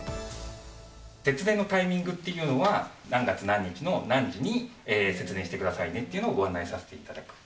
節電のタイミングというのは、何月何日の何時に節電してくださいねっていうのをご案内いただく。